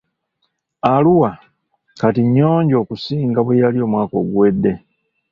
Arua kati nnyonjo okusinga bwe yali omwaka oguwedde.